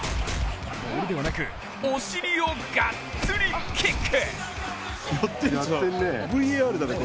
ボールではなく、お尻をがっつりキック！